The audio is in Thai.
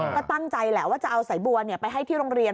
ก็ตั้งใจแหละว่าจะเอาสายบัวไปให้ที่โรงเรียน